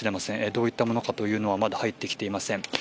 どういったものかというのはまだ入ってきていません。